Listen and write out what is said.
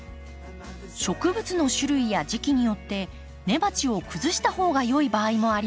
植物の種類や時期によって根鉢を崩したほうが良い場合もあります。